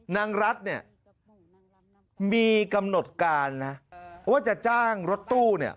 นางรัฐเนี่ยมีกำหนดการนะว่าจะจ้างรถตู้เนี่ย